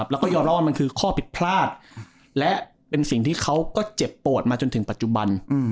แล้วก็ยอมรับว่ามันคือข้อผิดพลาดและเป็นสิ่งที่เขาก็เจ็บปวดมาจนถึงปัจจุบัน